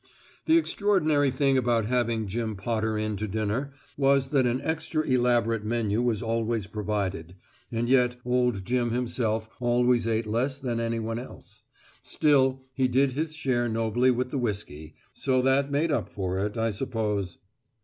The extraordinary thing about having Jim Potter in to dinner was that an extra elaborate menu was always provided, and yet old Jim himself always ate less than anyone else; still, he did his share nobly with the whiskey, so that made up for it, I suppose.